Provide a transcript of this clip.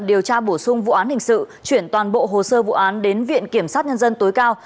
điều tra bổ sung vụ án hình sự chuyển toàn bộ hồ sơ vụ án đến viện kiểm sát nhân dân tối cao